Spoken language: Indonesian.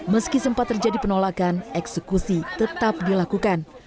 meski sempat terjadi penolakan eksekusi tetap dilakukan